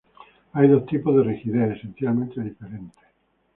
Hay dos tipos de rigidez esencialmente diferentes.